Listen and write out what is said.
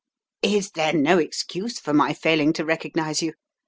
"Is there no excuse for my failing to recognise you?"